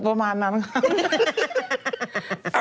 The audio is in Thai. ประมาณนั้นครับ